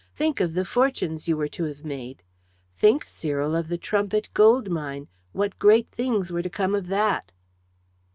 Think of the fortunes you were to have made. Think, Cyril, of the Trumpit Gold Mine what great things were to come of that!"